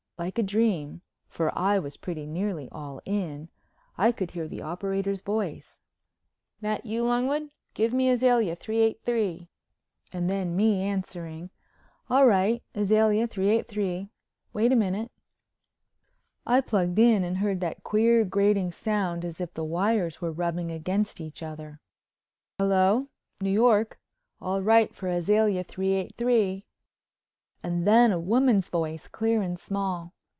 Like a dream, for I was pretty nearly all in, I could hear the operator's voice: "That you, Longwood? Give me Azalea, 383." And then me answering: "All right. Azalea 383. Wait a minute." I plugged in and heard that queer grating sound as if the wires were rubbing against each other: "Hello, New York. All right for Azalea 383." And then a woman's voice, clear and small.